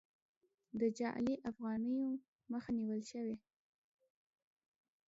د جعلي افغانیو مخه نیول شوې؟